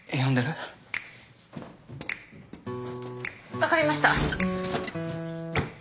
分かりました。